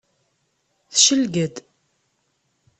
Tecleg-d.